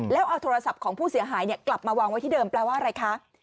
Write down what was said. แล้วเอาโทรศัพท์ของผู้เสียหายกลับมาวางไว้ที่เดิมแปลว่าอะไรคะ